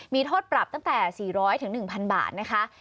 มีโทษปรับตั้งแต่๔๐๐๑๐๐บาทนะคะ